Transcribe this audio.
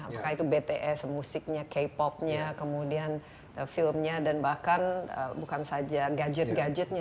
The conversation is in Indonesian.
apakah itu bts musiknya k popnya kemudian filmnya dan bahkan bukan saja gadget gadgetnya